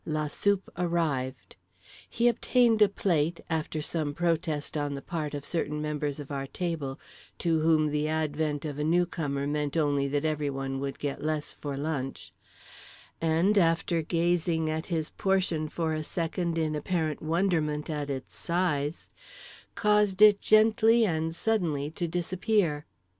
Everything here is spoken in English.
La soupe arrived. He obtained a plate (after some protest on the part of certain members of our table to whom the advent of a newcomer meant only that everyone would get less for lunch), and after gazing at his portion for a second in apparent wonderment at its size caused it gently and suddenly to disappear.